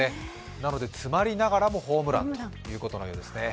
なので詰まりながらもホームランということのようですね。